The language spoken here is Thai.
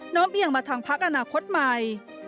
้อมเอียงมาทางพักอนาคตใหม่